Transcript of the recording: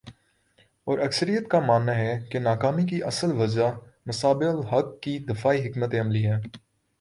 اور اکثریت کا ماننا ہے کہ ناکامی کی اصل وجہ مصباح الحق کی دفاعی حکمت عملی ہے ۔